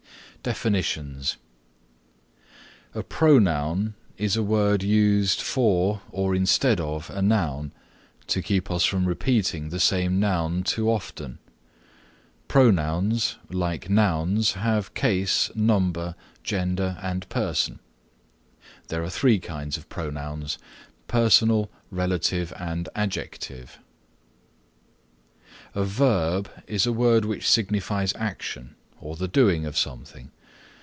DEFINITIONS A Pronoun is a word used for or instead of a noun to keep us from repeating the same noun too often. Pronouns, like nouns, have case, number, gender and person. There are three kinds of pronouns, personal, relative and adjective. A verb is a word which signifies action or the doing of something.